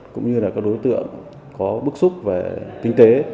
cũng như là các đối tượng có bức xúc về kinh tế